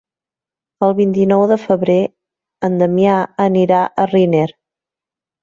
El vint-i-nou de febrer en Damià anirà a Riner.